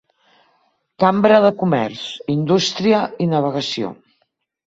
Cambra de comerç, indústria i navegació.